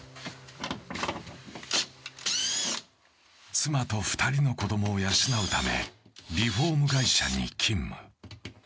妻と２人の子供を養うためリフォーム会社に勤務。